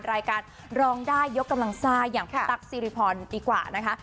รายการร้องได้ยกกำลังซ่าอย่างพี่ตั๊กซิริพรดีกว่านะคะ